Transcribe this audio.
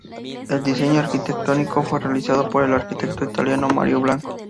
El diseño arquitectónico fue realizado por el arquitecto italiano Mario Bianco.